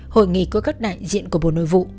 hội nghị có các đại diện của bộ nội vụ